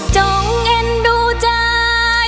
จงเอ็นดูจาน